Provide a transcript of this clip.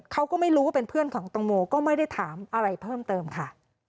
เขาก็ไม่รู้ว่าเป็นเพื่อนของตังโมก็ไม่ได้ถามอะไรเพิ่มเติมค่ะ